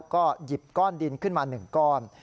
ก็หยิบก้อนดินขึ้นมา๑ก้อน